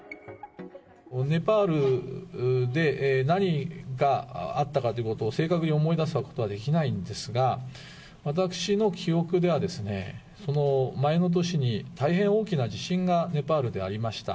ネパールで、何があったかということを正確に思い出すことはできないんですが、私の記憶ではですね、その前の年に、大変大きな地震がネパールでありました。